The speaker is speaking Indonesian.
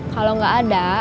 kalau gak ada